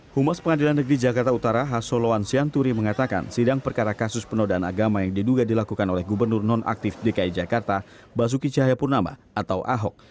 humas pengadilan negeri jakarta utara has soloan sianturi mengatakan sidang perkara kasus penodaan agama yang diduga dilakukan oleh gubernur non aktif dki jakarta basuki cahaya purnama atau ahok